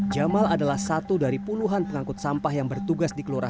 jamal adalah satu dari puluhan pengangkut sampah yang bertugas di kelurahan